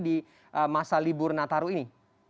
di masa libur nataru ini